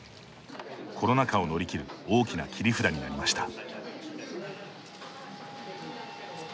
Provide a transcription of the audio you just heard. コロナ禍を乗り切る大きな切り札になりました。